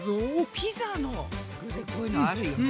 ピザの具でこういうのあるよね。